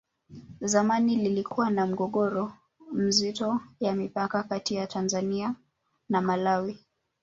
zamani lilikuwa na mgogoro mzito ya mipaka Kati ya tanzania na malawi